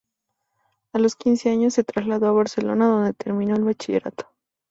A los quince años se trasladó a Barcelona donde terminó el Bachillerato.